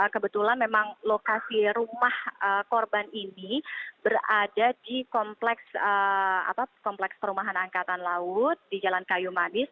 kebetulan memang lokasi rumah korban ini berada di kompleks perumahan angkatan laut di jalan kayu manis